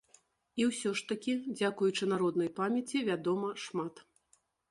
І ўсё ж такі, дзякуючы народнай памяці, вядома шмат.